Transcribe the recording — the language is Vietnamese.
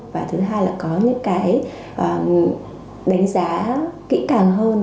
và thứ hai là có những cái đánh giá kỹ càng hơn